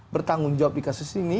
bertanggung jawab di kasus ini